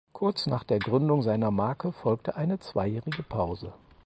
Kurz nach der Gründung seiner Marke folgte eine zweijährige Pause.